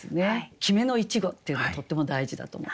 決めの一語っていうのがとっても大事だと思いますね。